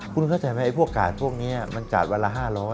คุณเข้าใจไหมไอ้พวกกาดพวกนี้มันกาดวันละ๕๐๐